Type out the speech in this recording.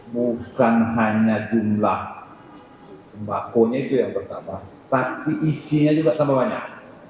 bukan hanya jumlah sembakonya itu yang bertambah tapi isinya juga tambah banyak